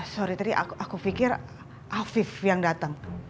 sorry tadi aku pikir afif yang datang